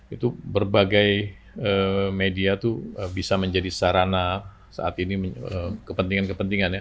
itu berbagai media itu bisa menjadi sarana saat ini kepentingan kepentingan ya